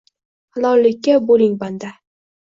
Halollikka boʼling banda